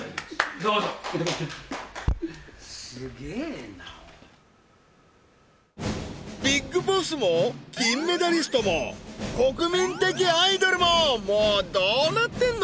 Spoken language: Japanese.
どうぞすげえなビッグボスも金メダリストも国民的アイドルももうどうなってんの？